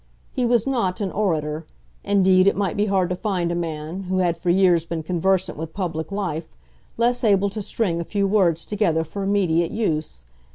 He was not an orator. Indeed, it might be hard to find a man, who had for years been conversant with public life, less able to string a few words together for immediate use.